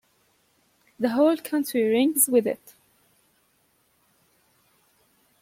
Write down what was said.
The whole country rings with it.